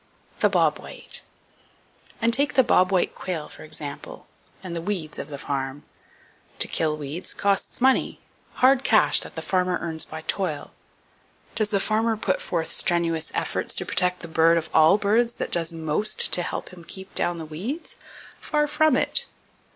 The Bob White. —And take the Bob White Quail, for example, and the weeds of the farm. To kill weeds costs money—hard cash that the farmer earns by toil. Does the farmer put forth strenuous efforts to protect the bird of all birds that does most to help him keep down the weeds? Far from it!